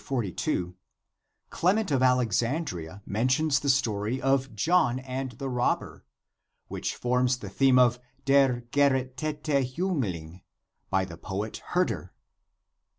42, Clement of Alexandria men tions the story of John and the robber, which forms the theme of " Der gerettete Jiingling " by the poet Herder.